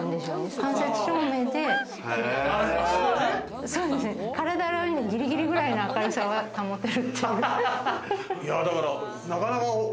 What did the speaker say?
間接照明で体を洗うぎりぎりぐらいの明るさは保てるっていう。